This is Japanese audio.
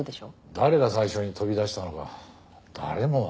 誰が最初に飛び出したのか誰もわからないなんてね。